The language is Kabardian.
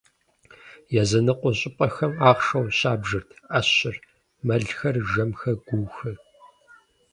Языныкъуэ щӏыпӏэхэм ахъшэу щабжырт ӏэщыр: мэлхэр, жэмхэр, гуухэр.